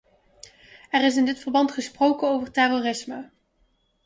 Er is in dit verband gesproken over terrorisme.